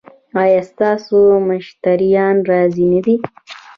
ایا ستاسو مشتریان راضي نه دي؟